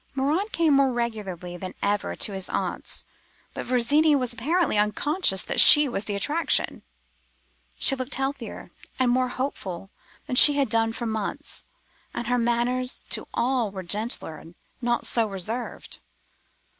Morin came more regularly than ever to his aunt's; but Virginie was apparently unconscious that she was the attraction. She looked healthier and more hopeful than she had done for months, and her manners to all were gentler and not so reserved.